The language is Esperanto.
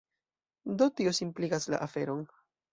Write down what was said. Do tio simpligas la aferon.